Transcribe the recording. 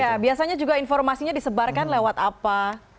ya biasanya juga informasinya disebarkan lewat apa